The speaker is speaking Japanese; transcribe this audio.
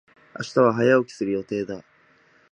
明日は早起きする予定だ。